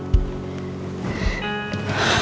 mama saja yang dihukum